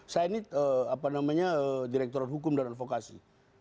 saya ini apa namanya direkturat hukum dan advokasi